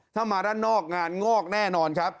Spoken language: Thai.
ถ้ามาด้านนอกงานงอกแน่นอนครับ